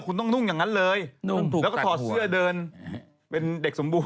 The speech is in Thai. คุณต้องนุ่งอย่างนั้นเลยแล้วก็ถอดเสื้อเดินเป็นเด็กสมบูรณ